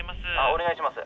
☎お願いします。